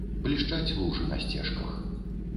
Блішчаць лужы на сцежках.